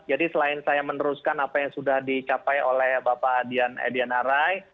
jadi selain saya meneruskan apa yang sudah dicapai oleh bapak adrian aray